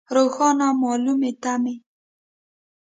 روښانه مالومې تمې.